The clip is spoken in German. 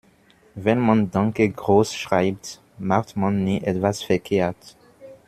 Wenn man "Danke" groß schreibt, macht man nie etwas verkehrt.